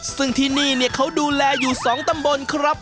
ซึ่งที่นี่เขาดูแลอยู่๒ตำบลครับ